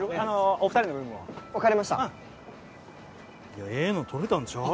お二人の分も分かりましたええの撮れたんちゃう？